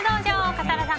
笠原さん